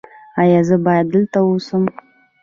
ایا زه باید دلته اوسم؟